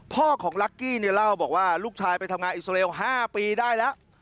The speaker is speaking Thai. พ่อของลักกี้เนี่ยเล่าบอกว่าลูกชายไปทำงานอิสราเอล๕ปีได้แล้ว